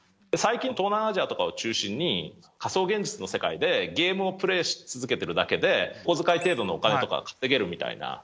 最近、東南アジアとかを中心に、仮想現実の世界でゲームをプレイし続けてるだけで、お小遣い程度のお金とか稼げるみたいな。